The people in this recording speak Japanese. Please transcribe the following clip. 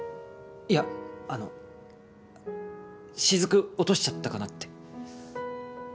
いやあの滴落としちゃったかなって。